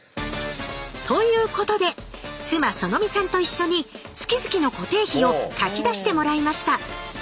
ということで妻苑未さんと一緒に月々の固定費を書き出してもらいました。